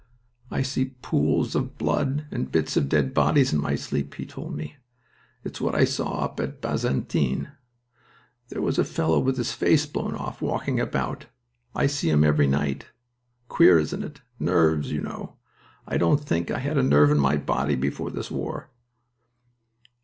"I see pools of blood and bits of dead bodies in my sleep," he told me. "It's what I saw up at Bazentin. There was a fellow with his face blown off, walking about. I see him every night. Queer, isn't it? Nerves, you know. I didn't think I had a nerve in my body before this war."